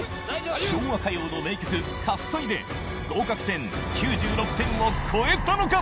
昭和歌謡の名曲で合格点９６点を超えたのか？